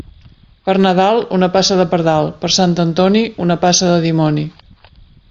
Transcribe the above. Per Nadal, una passa de pardal; per Sant Antoni, una passa de dimoni.